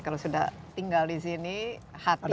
kalau sudah tinggal di sini hati pasti